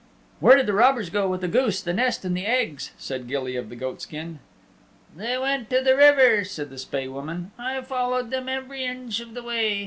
"Where did the robbers go with the goose, the nest, and the eggs?" said Gilly of the Goatskin. "They went to the river," said the Spae Woman. "I followed them every inch of the way.